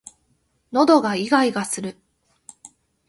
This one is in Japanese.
喉がいがいがする